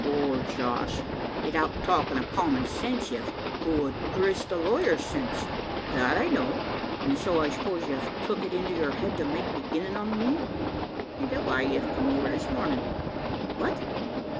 "Wal, Josh, 'ithout talkin' o' common sense, ye've good grist o' lawyers' sense that I know; an' so, I suppose, ye've tuk it into your head to make beginnin' on me. Aint that why ye've come over this mornin'?" "What?"